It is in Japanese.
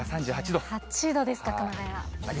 ３８度ですか、熊谷。